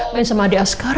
main sama adik askar